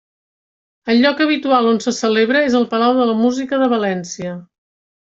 El lloc habitual on se celebra és el Palau de la Música de València.